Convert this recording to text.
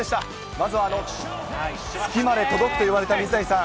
まずは月まで届くといわれた水谷さん。